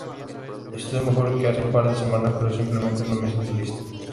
Estoy mejor que hace un par de semanas, pero simplemente no me siento listo"".